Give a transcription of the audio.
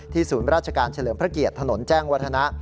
ศูนย์ราชการเฉลิมพระเกียรติถนนแจ้งวัฒนะ